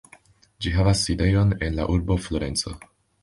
Ĝi havas sidejon en la urbo Florenco.